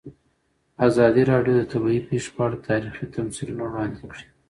ازادي راډیو د طبیعي پېښې په اړه تاریخي تمثیلونه وړاندې کړي.